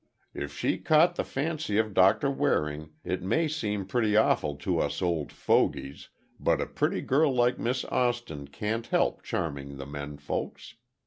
If she caught the fancy of Doctor Waring, it may seem pretty awful to us old fogies, but a pretty girl like Miss Austin can't help charming the menfolks.